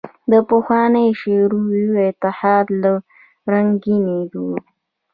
د پخواني شوروي اتحاد له ړنګېدو